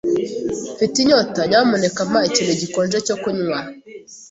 Mfite inyota. Nyamuneka mpa ikintu gikonje cyo kunywa.